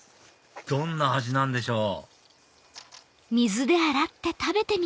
どんな味なんでしょう？